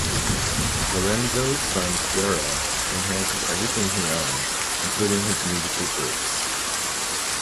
Lorenzo's son Piero inherited everything he owned, including his musical groups.